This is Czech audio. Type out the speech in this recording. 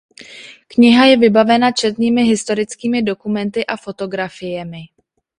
Kniha je vybavena četnými historickými dokumenty a fotografiemi.